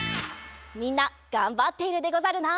みんながんばっているでござるな。